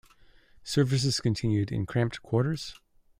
Services continued in cramped quarters.